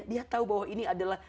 dia tahu bahwa ini adalah